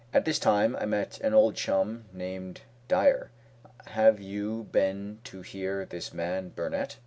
At this time I met an old chum named Dyer. "Have you been to hear this man, Burnett?"